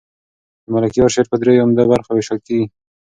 د ملکیار شعر په دریو عمده برخو وېشل کېږي.